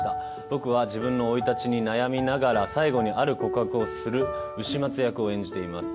僕は自分の生い立ちに悩みながら最後にある告白をする丑松役を演じています。